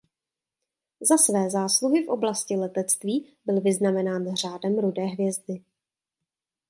Za své zásluhy v oblasti letectví byl vyznamenán Řádem rudé hvězdy.